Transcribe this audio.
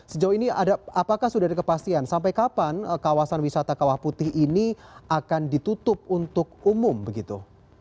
sejauh ini apakah sudah ada kepastian sampai kapan kawasan wisata kawah putih ini akan ditutup untuk umum begitu